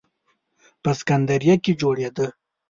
په سکندریه کې جوړېده.